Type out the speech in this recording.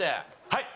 はい。